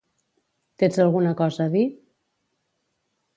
Tens alguna cosa a dir?